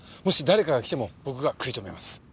もし誰かが来ても僕が食い止めます。